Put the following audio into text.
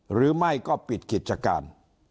หรือไม่ก็ปิดกิจการ